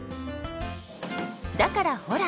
だからほら！